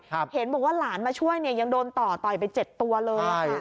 เห็นบอกว่าหลานมาช่วยเนี่ยยังโดนต่อต่อยไปเจ็ดตัวเลยค่ะ